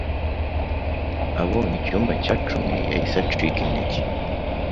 Abonye i cyumba cya cumi yahise acika intege